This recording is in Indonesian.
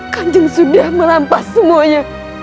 kan jeng sudah merampas semuanya